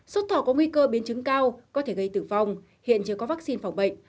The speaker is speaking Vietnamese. sốt thỏ có nguy cơ biến chứng cao có thể gây tử vong hiện chưa có vaccine phòng bệnh